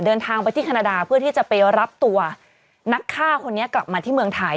เดินทางไปที่แคนาดาเพื่อที่จะไปรับตัวนักฆ่าคนนี้กลับมาที่เมืองไทย